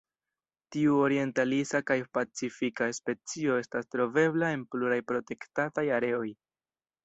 Tiu orientalisa kaj pacifika specio estas trovebla en pluraj protektataj areoj.